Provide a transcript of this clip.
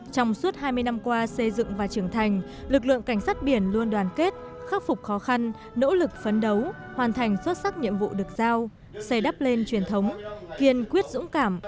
trong suốt hai mươi năm qua xây dựng và trưởng thành lực lượng cảnh sát biển luôn đoàn kết khắc phục khó khăn nỗ lực phấn đấu hoàn thành xuất sắc nhiệm vụ được giao xây đắp lên truyền thống kiên quyết dũng cảm